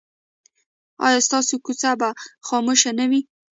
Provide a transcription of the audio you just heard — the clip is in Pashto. ایا ستاسو کوڅه به خاموشه نه وي؟